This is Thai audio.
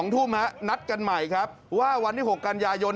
๒ทุ่มนัดกันใหม่ครับว่าวันที่๖กันยายน